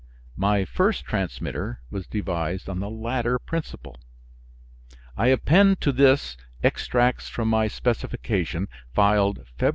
My first transmitter was devised on the latter principle. I append to this extracts from my specification filed Feb.